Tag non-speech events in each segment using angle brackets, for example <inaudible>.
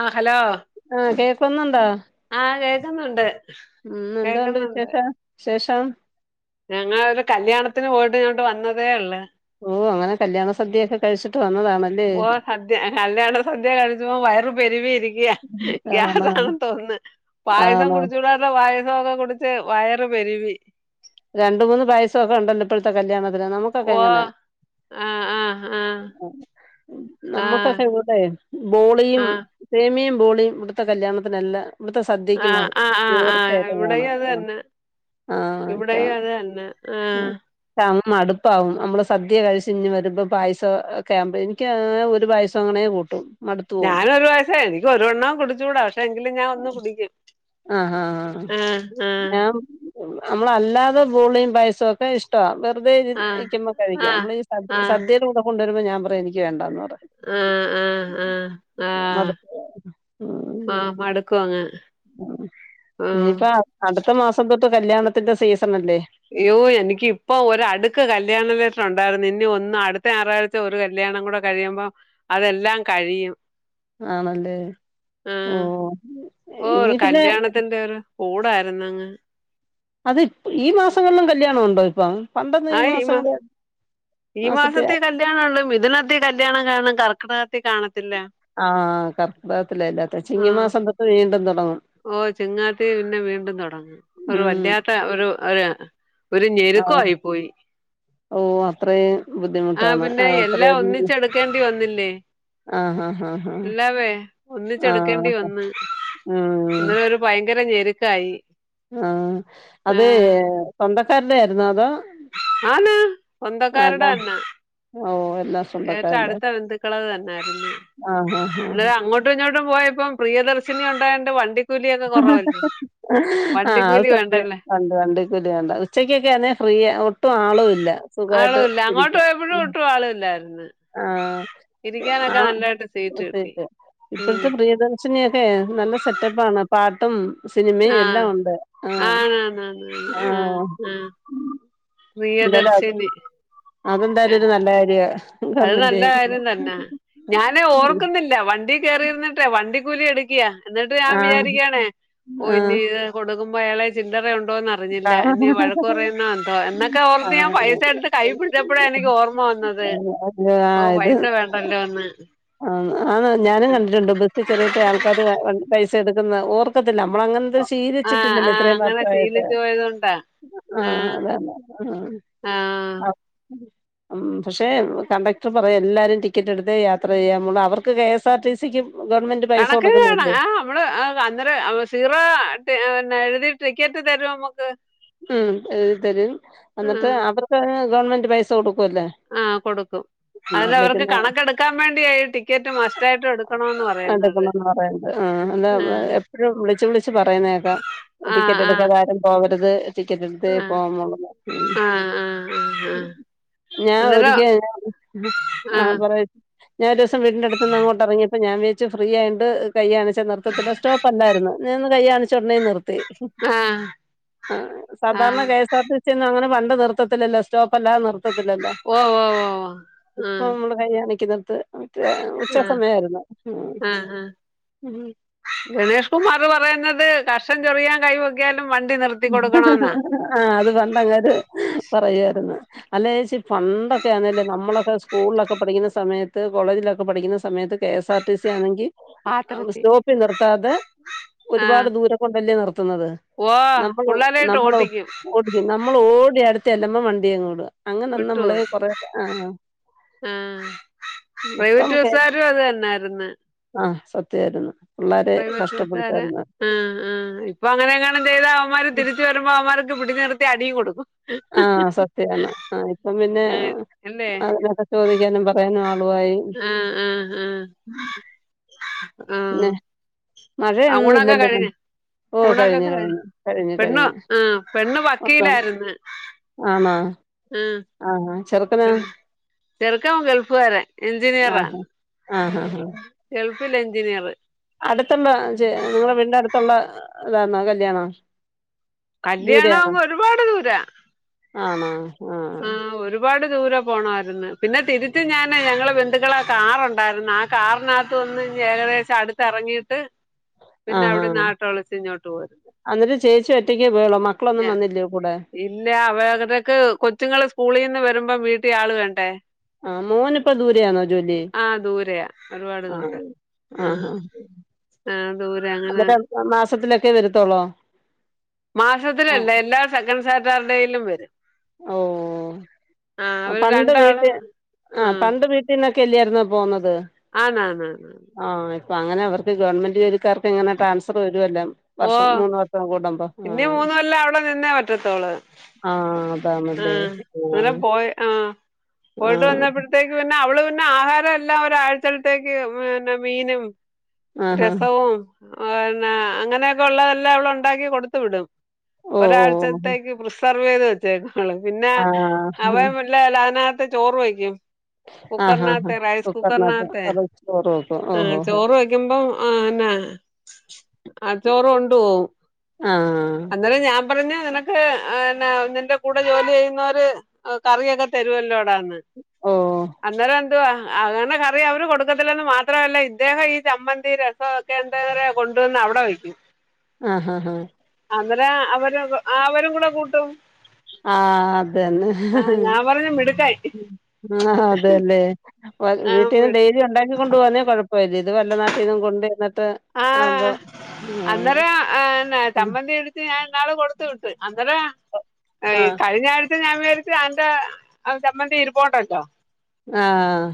ആഹ് hello ആഹ് കേൾക്കുന്നുണ്ടോ ആഹ് കേക്കുന്നുണ്ട് ഉം എന്ത് ഉണ്ട് കേക്കുന്നുണ്ട് വിശേഷം വിശേഷം ഞങ്ങൾ അവിടെ കല്യാണത്തിന് പോയ്ട്ട് ഇങ്ങട്ട് വന്നതേ ഒള്ളു ഓ അങ്ങനെ കല്യാണ സദ്യഒക്കെ കഴിച്ചിട്ട് വന്നതാണ് ഓ സദ്യ കല്യാണ സദ്യ കയ്ച്ചപ്പോ വയറ് പെരുവിയിരിക്കയ ആണോ ഗ്യാസാണെന്ന് തോന്നുന്ന് പായസം ആണോ കുടിച്ചൂടാ ഇള്ള പായസൊക്കെ കുടിച്ച് വയറ് പെരുവി രണ്ട് മൂന്ന് പായസൊക്കെ ഒണ്ടല്ലോ ഇപ്പഴത്തെ കല്യാണത്തിന് നമുക്കൊക്കെ ഓ അങ്ങനാ ആഹ് ആഹ് ആഹ് ആഹ് നമ്മക്കൊക്കെ ഇങ്ങോട്ടെ ബോളിയും ആഹ് സേമിയേം ബോളിയും ഇവിട്ത്തേ കല്യാണത്തിനെല്ലാ ഇവിട്ത്തെ സ് സദ്യക്കും ആഹ് അത് ആഹ് ആഹ് ആഹ് തീർച്ചയായിട്ടും കാണാ ഇവിടെയും അത് തന്നെ ആഹ് ആഹ് <unintelligible> ആഹ് <unintelligible> മടുപ്പാവും നമ്മള് സദ്യ കഴിച്ച് ഇഞ്ഞ് വരുമ്പോ പായസൊക്കെ ആവുമ്പോ എനിക്ക് ഒരു പായസ <unintelligible> കൂട്ടും മടുത്തു പോവും ഞാനൊരു പായസെ എനിക്ക് ഒരുവണ്ണോം കുടിച്ചൂടാ പക്ഷെ എങ്കിലും ഞാൻ ഒന്ന് കുടിക്കും ആഹ് ആഹ് ആഹ് ഞാൻ നമ്മളല്ലാതെ ബോളിയും പായസൊക്കെ ഇഷ് ട്ടവാ വെറുതെ ഇരി ആഹ് ഇരിക്കുമ്പോ കഴിക്കാ ആഹ് നമ്മൾ ഈ സദ് ആഹ് സദ്യേടെ കൂടെ കൊണ്ടുവരുമ്പോ ഞാൻ പറയും എനിക്ക് വേണ്ടാന്ന് പറയും ആഹ് ആഹ് ആഹ് ആഹ് മടുപ്പ് ആഹ് മടുക്കുവങ്ങ് ഉം ഇനിയിപ്പ അടുത്ത മാസം തൊട്ട് കല്യാണത്തിന്റെ സീസണല്ലേ? ഇയ്യോ എനിക്ക് ഇപ്പൊ ഒരടുക്ക് കല്യാണ മേറ്ററൊണ്ടായിരുന്നു ഇനി ഒന്ന് അടുത്ത ഞാറാഴ് ഒരു കല്യാണം കൂടെ കഴിയുമ്പോ അതെല്ലാം കഴിയും ആണല്ലേ ഓഹ് ആഹ് ഓഹ് ഓഹ് ഒരു കല്യാണത്തിന്റൊരു കൂടായിര്ന്നങ്ങ് അത് ഇപ് ഈ മാസങ്ങളിലും കല്യാണണ്ടോ ഇപ്പം പണ്ടൊന്നു ഈ മാസങ്ങളെ മാസത്തെയെ കല്യാണൊണ്ട് മിഥുനത്തി കല്യാണം കാണും കർക്കടകത്തി കാണത്തില്ലാ ആഹ് ആഹ് കർക്കടത്തിലാ ഇല്ലാത്തെ ആഹ് ചിങ്ങമാസം തൊട്ട് വീണ്ടും തൊടങ്ങും ഓഹ് ചിങ്ങാത്തി പിന്നെ വീണ്ടും തൊടങ്ങും ഒരു ഉം വല്ലാത്ത ഒരു ഒര് ഒരു ഞെരുക്കവായി പോയി ഓഹ് അത്രയും ആഹ് ബുദ്ധിമുട്ടാണ് പിന്നെ എല്ലാം ആഹ് <unintelligible> ഒന്നിച്ചെടുക്കേണ്ടി ആഹ് ആഹ് ആഹ് എല്ലാവേ ആഹ് ഒന്നിച്ചെട്ക്കേണ്ടി വന്ന് ഉം ഇന്നലെ ഒരു ഭയങ്കര ഞെരുക്കായി ആഹ് ആ, അതെ ഏഹ് സ്വന്തക്കാരുടെ ആയിരുന്നോ? അതോ? ആന്ന് അല്ല സ്വന്തക്കാരുടെ തന്നെ ഓഹ് എല്ലാം ഏറ്റവും സ്വന്തക്കാരുടെ അടുത്ത ബന്ധുക്കളത് തന്നാരുന്നു ആഹ് ആഹ് ആഹ് അല്ലാതെ അങ്ങോട്ട് ങ്ങോട്ടു ഇങ്ങോട്ടും പോയപ്പം പ്രിയദർശിനിയൊണ്ടായോണ്ട് വണ്ടി ആഹ് അത് വണ്ടിക്കൂലി സത്യാ വേണ്ടല്ലേ അകൊണ്ട് വണ്ടിക്കൂലി വേണ്ടാ ഉച്ചക്കൊക്കെ ആണെ ഫ്രീയാ ഒ ഒട്ടും ആളും ഇല്ലാ സുഖായിട്ട് ഇരിക്കാ പ്പാളില്ലായിര്ന്ന് ആഹ് ആഹ് സീറ്റ് കിട്ടി ഇപ്പഴ്ത്തെ ഉം. ഇപ്പഴ്ത്തെ പ്രിയ പ്രിയദർശിനിയൊക്കെ നല്ല സെറ്റപ്പാണ് പാട്ടും സിനിമേം ആ എല്ലാ ഒണ്ട് ആഹ് ആണാണ് ആഹ് എന്തായാലും പ്രിയദർശിനി അതെന്തായാലും ഒരു നല്ല കാര്യാ അത് നല്ല കാര്യം തന്നാ ഞാന് ഓർക്കുന്നില്ലാ വണ്ടി കേറിരുന്നിട്ടെ വണ്ടിക്കൂലി എടുക്കാ എന്നിട്ട് ഞാൻ ആഹ് വിചാരിക്കാണേ ഓഹ് ഇനി ആഹ് ഇത് കൊടുക്കുമ്പോ അയാളെ ചില്ലറ ഒണ്ടോന്ന് അറിഞ്ഞില്ലാ എനി വഴക്ക് പറയുന്നാ എന്തോ എന്നൊക്കെ ഓർത്ത് ഞാൻ ആഹ് പൈസ എടുത്ത് കൈ പിടിച്ചപ്പഴാ എനിക്ക് ഓർമ്മ വന്നത് <unintelligible> ഓ പൈസ വേണ്ടല്ലോ ഒന്ന് ആ ആ ഞാനും കണ്ടിട്ടുണ്ട് ബ ചെറിയട്ടെ ആൾക്കാാര് പൈസ എടുക്കുന്ന ഓർ പക്കത്തില്ല നമ്മള അങ്ങന ആ ആ ശീലിച്ചിട്ടില്ലല്ലോ ഇത്രയും അങ്ങനെ മാത്രമായിട്ട് ശീലിച്ചു പോയതുകൊണ്ടാ ആ ആഹ അതന്നെ ആ ഉ പക്ഷെ കണ്ടക്ടർ പറയാ എല്ലാരും ടിക്കറ്റ് എടുത്ത് യാത്ര ത്ര ചെയ അവർക്ക് കെഎസ് ആർ ടി സിക്കും ഗവൺമെന്റും കണക്ക്ന് ആ നമ്മള് അന്നേരം സീറോ എഴുതി <unintelligible> ടിക്കറ്റ് തരുമ നമ്മുക്ക് ഉം ഇത് തരും എന്നിട്ട് അവർക്ക് ഗവൺമെന്റ് പൈസ കൊടുക്കുംല്ലേ ആഹ കൊടുക്കും അതിൽ അവർക്ക് കണക്കെടുക്കാൻ വേണ്ടിയായി ടിക്കറ്റ് മസ്റ്റായിട്ടും എടുക്കണന്ന് പറയുന്നത് പറത് ആ എന്താ ഉം. എപ്പോഴും വിളിച്ചച്ച് വിളിച്ച് പറയുന്നതേക്കാം ആ ടിക്കറ്റ് ആ എടുക്കാത ആാരും പോവരുത് ടിക്കറ്റ് എടുത്ത് ആ പോവാന്ന ഉ ആ ആ ആ ആ. ഞാൻ അന്നേരം ഒരിക്കഞ ആ പറയ ഞാൻ ദിവസ വീടിൻന്റെ അടു നിന്ന് അങ്ങോട്ട ഇറങ്ങിയപ്പോ ഞാൻ വെച്ച് ഫ്രീയിട്ടണ്ട് കൈ്യണിച്ച നൃത്തത്തിത്തില് 'സോറ്റപ്പ് അല്ലാർന്നു ഞാൻ കൈ കാണിച്ചെ ഉടനെ നിർത്തി ആ ആ സധാരണ ഞാൻ എസ് ആർ ടി സിന്നും അങ്ങനെ പണ്ട നിർത്തത്തില്ലോ സ്റ്റോപ്പ അല്ലാതെ നിർത്തത്തില്ലല്ലോ ഓ ഓ ഓ ആഹ കൈയാണിക്കുന്നിത്ത് മറ്റേ ആ ഉച്ചസമയായിരുന്നു ആ ആ. ഉ ഗണേഷ് കുമാർ പറയുന്നത് കർഷം ചെറിയാൻ കൈ വക്ക ലും വണ്ടി നി ആഹ അത് വണ്ടങ്ങാര് പറയുരുന്നു അല്ലച്ച പണ്ടൊക്കെ ആന്നല്ലേ നമ്മളൊക്കെ സ്കൂളിലൊക്കെ പഠിക്കുന്ന സമയത്ത് കോളേജിലൊക്കെ പഠിക്കുന്ന സമയത്ത് K S R T C ആണെങ്കിൽ പാത്രത്തിൽ സ്റ്റോപ്പിൽ നിർത്താതെ ആ ഒരുപാട് ദൂര കൊണ്ടല്ലേ നിർത്തുന്നത് ഓ നമ്മള് പിള്ളേരായിട്ട് നമ്മള് ഓട്ടിക്കും ഓടി നമ്മള് ഓടി അടുത്ത് ചെല്ലമ്മ വണ്ടിയങ്ങവിട അങ്ങനെന്ന വിട്ടു നമ്മള കൊറ ആഹ ആ പ്രൈവറ്റ് ബസ്സാരും അത് തന്നൊയിരിന്ന് ആഹ സത്യായിരുന്നു പിള്ളരെ പ്രൈവറ്റ് ബസ്സുകാരെ കഷ്ടപ്പെടുത്തായിരുന്ന് ആ ആ് ഇപ്പൊ അങ്ങനെങ്ങണെ ചെയ്ത അവന്മാര് തിരിച്ച വരുമ്പോ അവമാർക്ക് പിടിന നിർത്തി അടിയും കൊടുക്കും ആഹ സത്യാണ് ആ ഇപ്പം പിന്നെ ആ അല്ലേ അ ചോദിക്കാനും പറയാനും ആളുവായി ആഹ ആ ആ ആ പിന്നെ ആ മഴയാണൊന്നും ഊണൊക്കെ ഇല്ലല്ലോ ൻ കഴിഞ്ഞ് ഓ ഊണൊക്കെ കഴിഞ്ഞു കഴിഞ്ഞ് കഴിഞ്ഞു കഴിഞ്ഞു പെണ്ണ് ആ കഴിഞ്ഞു പെണ്ണ് വക്കീലായിരുന്നു ആണ ആ ആഹ ചെറുക്കനാ ചെറുക്കൻ ഗൾഫ്കാരൻഎഞ്ചിനീയറാ ആഹ് ആഹ് ആഹ് ഗൾഫിൽ എഞ്ചിനീയർ അടുത്തുള്ള ച നിങ്ങളടെ വീടിന്റെ അടുത്തുള്ള ഇതാന്നോ കല്യാണം ദൂരെയാണോ കല്യാണംഒരുപാട് ദൂര ആണോ ആഹ ഒരുപാട് ദൂരെ പോകണമായിരുന്നു പിന്നെ തിരിച്ച് ഞാന് ഞങ്ങള് ബന്ധുക്കള ആ കാറുണ്ടായിരുന്നു ആ കാറിനകത്ത് ഒന്ന് ഏകദേശം അടുത്ത് ഇറങ്ങിയിട്ട് പിന്നെ അവിടെ നാട്ടൊളിച്ചോ ട്ട <unintelligible> അന്നിട്ട് ചേച്ചി ഒറ്റയ്ക്കേ പോയുള്ളൂ മക്കളൊന്നും വന്നില്ലേകൂടെ ഇല്ല അവതക്ക് കൊച്ചുങ്ങള് സ്കൂളിൽ നിന്ന് വരുമ്പം വീട്ടിൽ ആൾ വേണ്ടേ ആഹ്‌ മോന് ഇപ്പൊ ദൂരെയാണോ ജോലി? ആ ദൂരെയാ ഒരുപാട് ആഹ്‌ ആ. ആഹ് ഹാ. ആഹ്‌ ദൂരെ അങ്ങനെ മാസത്തിലൊക്കെ വരത്തൊള്ളോ? മാസത്തിലല്ല എല്ലാ സെക്കൻഡ് സാറ്റർഡേയിലും വരും. ഓഹ്‌ ആ അവര് പണ്ട് വീട്ട് രണ്ടാളും ആ ആഹ്‌ പണ്ട് വീ ന്നൊക്കെല്ല്യായിരുന്നൊ പോന്നത്? ആഹ്‌ ണാ ണാ ണാ. ആഹ്‌, ഇപ്പൊ അങ്ങനെ അവർക്ക് ഗവൺമെന്റ് ജോലിക്കാർക്ക് ങ്ങനെ ട്രാൻസ്ഫർ വരുല്ലാ ഓ വർഷം മൂന്ന് വർഷം കൂടുമ്പം ഇനി ആഹ്‌ മൂന്ന് കൊല്ലം അവിടെ നിന്നേ ആഹ്‌. ആഹ്‌ അങ്ങന പോയ് ആഹ്‌. പോയിട്ട് ആഹ് വന്നപ്പോഴ്ത്തേക്ക് പിന്നെ അവള് പിന്നെ ആഹാര എല്ലാം ഒരാഴ്ച്ചത്തേക്ക് പിന്നെ മീനും ആഹ് ആഹാ രസവും പിന്നെ അങ്ങനെയൊക്കെ ഉള്ളതെല്ലാം അവള്ണ്ടാക്കി കൊടുത്ത് വിടും. ഓഹ് ഓഹ് ഒരാഴ്ചത്തേക്ക് പ്രിസർവ് ചെയ്ത് വെച്ചേക്ക് ഓള് പിന്നെ അവ ആഹ് ഇല്ലല്ല അയ്നകത്ത് ചോറ് വേക്കും ആഹാഹാ കുക്കർനകത്തെ റൈസ് കുക്കറിനകത്ത് കുക്കർനകത്തെ. അത് ചോറ് വെക്കും ഓഹ് ആഹ്, ഓഹ് ചോറ് വെക്കുമ്പം അഅന്നെ. ആഹ്‌ ചോറ് കൊണ്ട് പോവും. ആഹ്‌. പറഞ് നിനക്ക് ഏ ന്നേ നിന്റെ കൂടെ ജോലി ചെയ്യുന്നവര് കറിയൊക്കെ തരുവല്ലോടാന്ന്. ഓഹ്‌. അന്നേരം എന്തുവാ അങ്ങനെ കറി അവര് കൊടുക്കത്തില്ലെന്ന് മാത്രമല്ല ഇദ്ദേഹം ഈ ചമ്മന്തി ര സാ ഒക്കെ എന്താ പറയാ കൊണ്ടുവന്ന് അവടെ വയ്ക്കും. ആഹ്‌ ഹാ ഹാ. അന്നേരാ അവര് അവരും കൂടെ കൂട്ടും. ആഹ്‌ അതന്നെ. ആ ഞാൻ പറഞ്ഞു മിടുക്കായി ആഹ്‌ ഹാ അതെല്ലേ, ആ വീട്ടീന്ന് ഡെയിലി ഉണ്ടാക്കികൊണ്ട് പോവാനേ കൊഴ പരീത് വല്ലനാട്ടിലും കൊണ്ട് ചെന്ന്ട്ട് ആഹ്, അന്നേരം അഅന്നെ ചമ്മന്തി എടു ഞാം ഇന്നാള് കൊടുത്ത് വിട്ട്, അന്നേരാ കഴീ ആഹ് കഴിഞ്ഞ ഇ ഞാൻ വിചാരിച്ച അന്റെ ചമ്മന്തി ഇരു പോണ്ടല്ലോ. ആഹ്‌.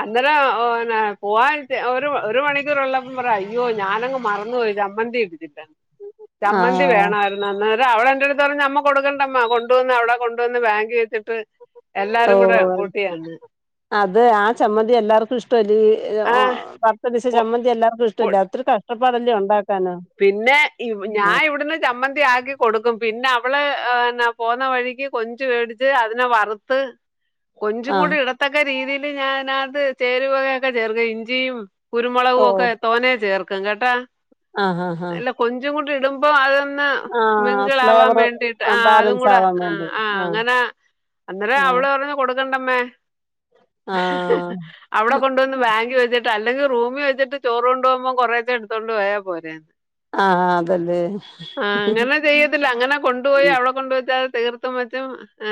അന്നേരം ഓ ന്നേ പോവാൻ ഒരു ഒരു മണിക്കൂറ്ള്ളപ്പോം പറായി യ്യോ ഞാനങ് മറന്ന് പോയി ചമ്മന്തി <unintelligible> ചമ്മന്തി ആഹ് വേണാര്ന്നു അന്നേരം അവള് എന്റട്ത് പറയും, അമ്മ കൊടുക്കണ്ടമ്മ കൊണ്ടുവന്ന് അവടെ കൊണ്ടുവന്ന് ബാങ്ക് വെച്ചിട്ട് എല്ലാരും കൂടെ ഓഹ്‌ കൂട്ടിയാണ് അത് ആ ചമ്മന്തി എല്ലാർക്കും ഇഷ്ടം ആ <unintelligible> <unintelligible> പിശ കൊ- ചമ്മന്തി എല്ലാർക്കും കൊ- ഇഷ്ടല്ല ഒത്തിരി കഷ്ട്ടപ്പാടല്ലേ ഉണ്ടാ പിന്നെ ഇവ് ഞാ ഇവിടുന്ന് ചമ്മ ന്തി ആക്കി കൊടുക്കും, പിന്നെ അവള് ആ ന്നേ പോന്ന വഴിക്ക് കൊഞ്ച് മേടിച്ച് അതിനെ വറുത്ത് കൊഞ്ചും കൂടി ആഹ് ഇടത്തൊക്കെ രീതിയില് ഞാനത് ചേരുവയൊക്കെ ചേർത്ത് ഇഞ്ചിയും കുരുമൊളകു ഒക്കെ തോനേ ചേർക്കും കേട്ടാ. ആഹ്‌ ഹാ ഹാ. അല്ല കൊഞ്ചും കൂടി ഇടുമ്പോ അത് ന്നാ ആഹ് മിങ്കിളാവാൻ ഫ്ലേവർ വേണ്ടിട്ട് ആഹ്‌ അതും ബാലൻസ് കൂടെ ആവാൻ ആ വേണ്ടി ആ ആഹ് അങ്ങനെ അന്നേരം ആഹ് അവള് പറഞ്ഞു കൊടുക്കണ്ടമ്മേ ആഹ് അവടെ കൊണ്ട് വിന്ന് ബാങ്കി വച്ച്ട്ട് അല്ലെങ്കി റൂമി വെച്ച്ട്ട് ചോറ് കൊണ്ട് പോക്കുമ്പോ കൊറേ ഒക്കെ എടുത്തോണ്ട് പോയാ പോരേ. ആഹ അ, അതല്ലെ. ആഹ, അങ്ങനെ ചെയ്യത്തില്ല. അങ്ങനെ കൊണ്ടുപോയി ഉം. അവിടെ കൊണ്ട് വച്ചാ തീർത്തും വെച്ചും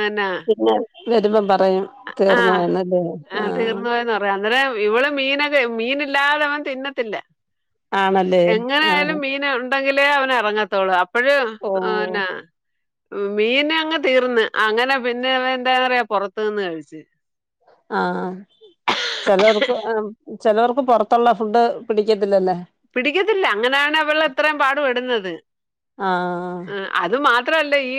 അന്നാ.. ഞാൻ വരുമ്പം പറയും തീർന്നുപോയെന്നല്ലേ. ആ. ർന്ന് പറയാ, അന്നരെ ഇവള് മീനൊക്കെ മീനില്ലാതെ അവൻ തിന്നത്തില്ല. ആണല്ലേ എങ്ങനെ ആഹ് ആയാലും മീന ണ്ടെങ്കിലേ അവന് ഇറങ്ങത്തുള്ളു. അപ്പോഴും ഓഹ് അന്നാ... മീന് അങ്ങ് തീർന്ന് അങ്ങനെ പിന്നെ അവൻ എന്താെന്നറിയോ പുറത്തു നിന്ന് കഴിച്ചു. ആഹ്. ചെലവർക്ക് ആ. ചെലവർക്ക് പുറത്തുള്ള ഫുഡ് പിടിക്കത്തില്ലല്ലേ. പിടിക്കത്തില്ല അങ്ങനാണ് അവള് അത്രയും പാടു പെടുന്നത് ആഹ് ആ. അത് മാത്രല്ല ഈ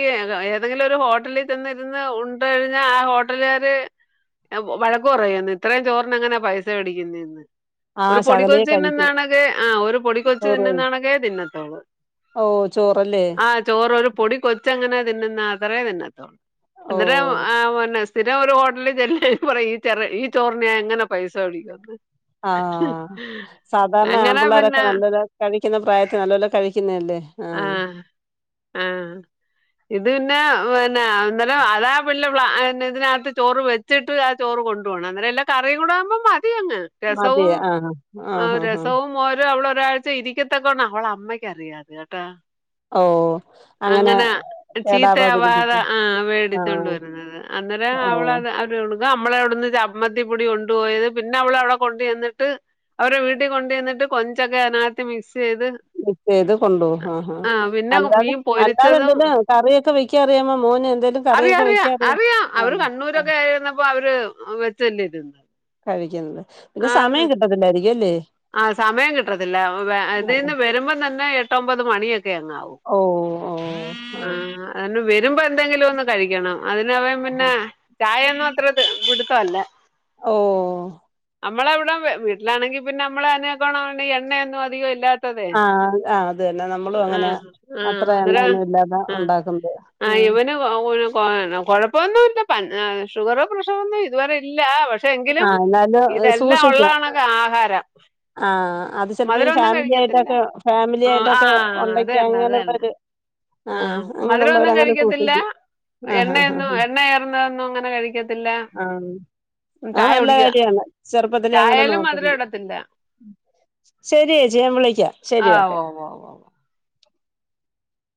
ഏതെങ്കിലും ഒരു ഹോട്ടലിൽ ചെന്നിരുന്ന് ഉണ്ട് കഴിഞ്ഞാ ആ ഹോട്ടലുകാര് വഴക്ക് പറയും, ഇത്രയും ചോറിന് എങ്ങനെ പൈസ മേടിക്കുന്നതന്ന്. ഒരു ആഹ് പൊടി ശകലേ കൊച്ചു കഴി തിന്നുന്നാണക്കെ ആഹ് ഒരു പൊടി കൊച്ചു ചോറ് കഴി തിന്നുന്നാണക്കെ തിന്നത്തോള്ളു. ഓ ചോറല്ലേ. ആ ചോറരു പൊടി കൊച്ച് എങ്ങനെ തിന്നുന്നേ അത്ര തിന്നത്തോള്ളൂ ഓ അന്നേരം ആവണ സ്ഥിരം ഒരു ഹോട്ടലിൽ ചെല്ല് പറയാ ഈ ചെറ് ഈ ചോറിനെ എങ്ങനെ പൈസ മേടിക്കുവന്ന്. ആഹ് സാധാരണ അങ്ങനെ ആമ്പിള്ളേരൊക്കെ പിന്നെ നല്ലോല കഴിക്കുന്ന പ്രായത്തിൽ നല്ലോല കഴിക്കുന്നല്ലേ ആഹ്. ആഹ് ഇത് പിന്നെ പിന്നെ എന്താല അതാ പിന്നെ ഇതിനകത്ത് ചോറ് വെ വെച്ചിട്ട് ആ ചോറ് കൊണ്ടു പോകണം, അന്നേരം എല്ലാ കറിം കൂടെ ആവുമ്പോ മതി അങ്ങ്. മതി ആഹ് ആഹ് ആഹ് ആഹ് ഓരോ അവള് ഒരാഴ്ച ഇരിക്കത്തക്കാണ് അവളെ അമ്മയ്ക്കറിയ അത് കേട്ടോ. ഓ അങ്ങനെ ചീത്ത ആവാതെ കേടാവാതിരിക്കട്ടെ ആ വേടിച്ചൊണ്ട് ആഹ് വരുന്നത് അന്നേരം ഓ അവളത് നമ്മളെ അവിടുന്ന് ചമ്മന്തി പ്പൊടി കൊണ്ടുപോയത് പിന്നെ അവളെ അവിടെ കൊണ്ട് ചെന്നിട്ട് അവരെ വീട്ട ട്ട് കൊണ്ടു ചെന്നിട്ട് കൊഞ്ചൊക്കെ അതിനകത്ത് മിക്സ് ചെയ്ത് ചെയ്ത് കൊണ്ടുപോവും ആഹ് ആഹ് ആ പിന്നെ അല്ലാതെ മീൻ അല്ലാതെ പൊരിച്ചതും എന്തെല്ലാ കറിയൊക്കെ വെ ചെറിയമ്മ മോന് എന്തേലും അറിയാം കറിയൊക്കെ വെക്കാറിയാം ആണോ ആഹ് അപ്പോ അവര് വെച്ചല്ലേ ഇത്. കഴിക്കുന്നത് പിന്നെ സമയം കിട്ടത്തില്ലായിരിക്കും അല്ലേ. ആ സമയം കിട്ടത്തില്ല ആഹ് ഇതിൽന്ന് വരുമ്പം തന്നെ എട്ടൊമ്പത് മണിയൊക്കെ അങ്ങാവും. ഓഹ് ആഹ് ആനം വരുമ്പോ എന്തെങ്കിലും ഒന്ന് കഴിക്കണം, അതിന് അവൻ പിന്നെ ചായയൊന്നും അത്ര ഇത് പിടുത്തല്ല. ഓഹ് നമ്മളവിടെ വീട്ടിലാണെങ്കിൽ പിന്നെ നമ്മളെ അയിനേക്കാണെങ്കിൽ എണ്ണയൊന്നും അധികം ഇല്ല. അതേ ആഹ് ആഹ് അത് തന്നെ നമ്മളും അങ്ങനെ ആഹ് അത്ര ആഹ് ആഹ് എണ്ണയൊന്നും ഇല്ലാതെ ആഹ് ഉണ്ടാക്കുന്നത് ആ ഉം ഇവന് കൊഴപ്പന്നുല്ല ഷുഗർ പ്രഷറൊന്നും ഇതുവരെ ഇല്ല പ പക്ഷേ ആ എങ്കിലും എന്നാലും ഇതെല്ലാം സൂക്ഷിക്കും ഉള്ളകണക്ക ആഹാരം ആ അത് ചിലപ്പോൾ ഈ മധുരം ഒന്നും ഫാമിലി കഴിക്കത്തില്ല ആയിട്ടൊക്കെ ഫാമിലി ആയിട്ടൊക്കെ ആഹ് ഉണ്ടെങ്കിൽ അതന്നെ അതന്നെ. അങ്ങനെയുള്ളവർ ആ ആഹ് അങ്ങനെയുള്ളവർ മധുരമൊന്നും അങ്ങനെ കഴിക്കത്തില്ല. സൂക്ഷിക്കും ആ ഹാ ഹാ എണ്ണയൊന്നും ഹാ എണ്ണ ഏറുന്നതൊന്നും അങ്ങനെ കഴിക്കത്തില്ല. ആഹ് ഉം, അത് ചായ നല്ല കുടിക്കുക കാര്യാണ്. ചെറുപ്പത്തിലെ അങ്ങനെ ചായയിലും മധുരം നോക്കുന്നു. ഇടത്തില്ല ശരിയേച്ചിയേ ഞാൻ വിളിക്കാം ശരി ആ ഓക്കെ. ഓ ഓ ഓ ഓ.